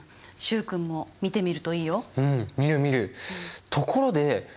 うん見る見る。